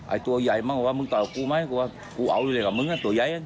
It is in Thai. ไอ้ตัวใหญ่มั้งว่ามึงตอบกูไหมกูว่ากูเอาเลยก่อนมึงอันตัวใหญ่อัน